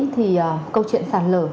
thì câu chuyện sàn lở